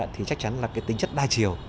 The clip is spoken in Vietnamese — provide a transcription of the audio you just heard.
thì chắc chắn là cái tính chất đa chiều